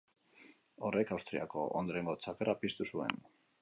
Horrek Austriako Ondorengotza Gerra piztu zuen.